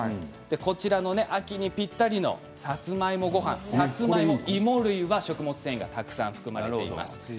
こちらの秋にぴったりのさつまいもごはんさつまいも、芋類は食物繊維がたくさん含まれています。